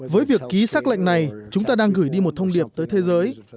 với việc ký xác lệnh này chúng ta đang gửi đi một thông điệp tới thế giới